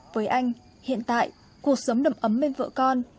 với anh hiện tại cuộc sống đầm ấm bên vợ con